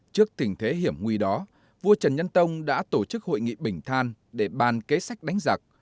trước tình thế hiểm nguy đó vua trần nhân tông đã tổ chức hội nghị bình than để ban kế sách đánh giặc